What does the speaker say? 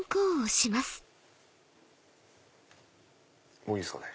もういいですかね。